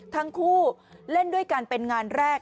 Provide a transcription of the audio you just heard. ทั้งคู่เล่นด้วยกันเป็นงานแรก